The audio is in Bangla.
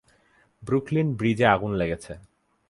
ব্রুকলিন ব্রিজে আগুন লেগেছে।